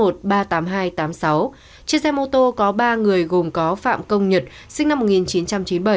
trên xe mô tô có ba người gồm có phạm công nhật sinh năm một nghìn chín trăm chín mươi bảy